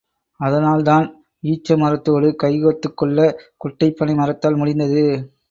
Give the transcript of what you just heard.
அதனால்தான், ஈச்ச மரத்தோடு கைகோத்துக் கொள்ளக் குட்டைப் பனை மரத்தால் முடிந்தது.